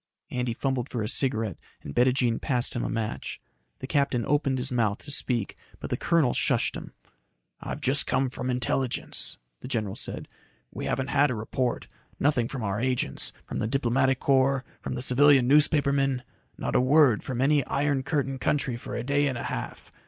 Andy fumbled for a cigarette and Bettijean passed him a match. A captain opened his mouth to speak, but the colonel shushed him. "I've just come from Intelligence," the general said. "We haven't had a report nothing from our agents, from the Diplomatic Corps, from the civilian newspapermen not a word from any Iron Curtain country for a day and half.